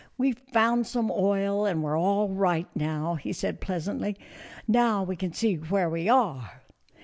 " We Ve found some oil and we 're all right now," he said, pleasantly. " Now we can see where we are."